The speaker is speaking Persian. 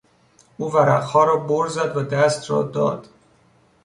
او ورقها را بر زد و دست را داد.